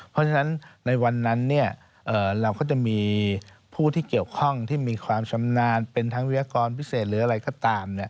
เพราะฉะนั้นในวันนั้นเราก็จะมีผู้ที่เกี่ยวข้องที่มีความชำนาญเป็นทั้งวิทยากรพิเศษหรืออะไรก็ตาม